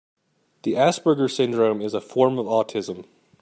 The Asperger syndrome is a form of autism.